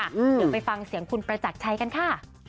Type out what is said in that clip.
เดี๋ยวไปฟังเสียงคุณประจักรชัยกันค่ะ